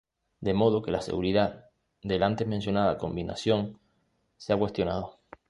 De modo que la seguridad de la antes mencionada combinación se ha cuestionado.